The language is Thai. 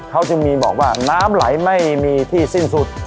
เขาจึงมีบอกว่าน้ำไหลไม่มีที่สิ้นสุด